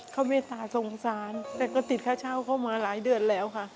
เขาเมตตาสงสารแต่ก็ติดค่าเช่าเข้ามาหลายเดือนแล้วค่ะ